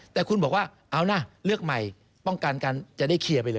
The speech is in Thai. แต่คุณบอกว่าเอานะเลือกใหม่ป้องกันกันจะได้เคลียร์ไปเลย